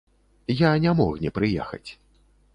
Я не мог не прыехаць.